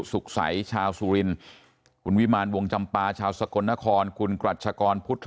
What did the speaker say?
สุขใสชาวสุรินคุณวิมารวงจำปาชาวสกลนครคุณกรัชกรพุทธ